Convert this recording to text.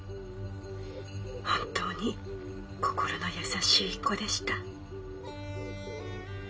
本当に心の優しい子でした」。